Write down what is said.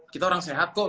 kita orang sehat kok